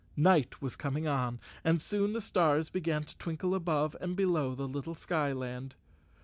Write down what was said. Night was coming on, and soon the stars began to twinkle above and below the little skyland.